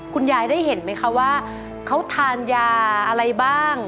คุณยายได้เห็นไหมคะว่าเขาทานยาอะไรบ้าง